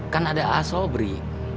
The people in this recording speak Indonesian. kan ada a sobri